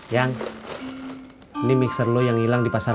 yang ini mixer lo yang hilang di pasar